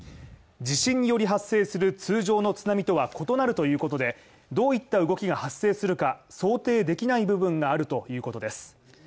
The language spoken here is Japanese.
地震により発生する通常の津波とは異なるということで、どういった動きが発生するか想定できない部分があるということです。